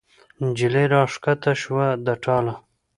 نجلۍ را کښته شوه د ټاله